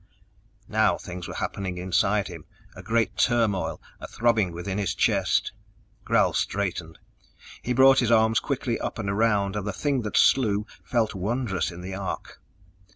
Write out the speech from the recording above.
Now things were happening inside him a great turmoil, a throbbing within his chest. Gral straightened; he brought his arms quickly up and around, and the thing that slew felt wondrous in the arc.